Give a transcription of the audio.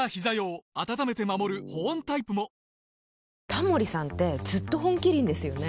タモリさんってずっと「本麒麟」ですよね。